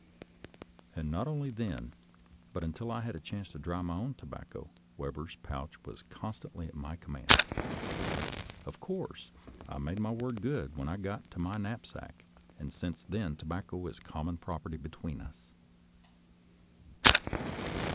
And not only then, but until I had a chance to dry my own tobacco, Webber's pouch was constantly at my command. Of course, I made my word good when I got to my knapsack, and since then tobacco is common property between us.